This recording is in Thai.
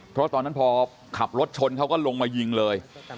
เพราะตอนนั้นพอขับรถชนเขาก็ลงมายิงเลย